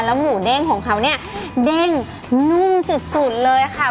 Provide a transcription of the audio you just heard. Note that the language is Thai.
หมูเด้งของเขาเนี่ยเด้งนุ่มสุดเลยค่ะ